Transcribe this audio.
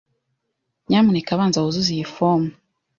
Nyamuneka banza wuzuze iyi fomu.